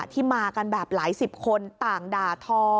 ที่มากันแบบหลายสิบคนต่างด่าทอ